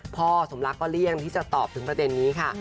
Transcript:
พ่อสมรักก็เลี่ยงที่จะตอบถึงประเด็นนี้ค่ะ